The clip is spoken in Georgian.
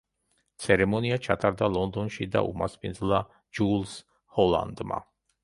ცერემონია ჩატარდა ლონდონში და უმასპინძლა ჯულს ჰოლანდმა.